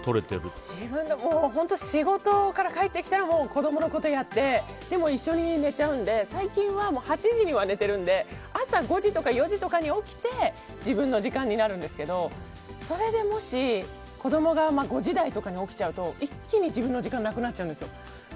仕事から帰ってきたらもう子供のことやってでも一緒に寝ちゃうので最近は８時には寝てるので朝５時とか４時に起きて自分の時間になるんですけどそれで、もし子供が５時台とかに起きちゃうと一気に自分の時間がなくなっちゃうんですよ。